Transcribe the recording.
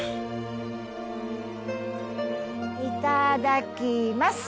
いただきます。